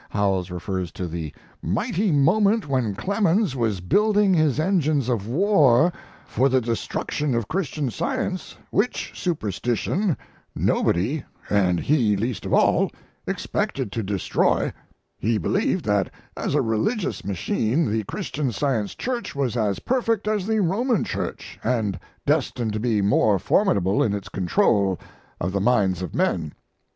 Howells refers to the "mighty moment when Clemens was building his engines of war for the destruction of Christian Science, which superstition nobody, and he least of all, expected to destroy": He believed that as a religious machine the Christian Science Church was as perfect as the Roman Church, and destined to be more formidable in its control of the minds of men....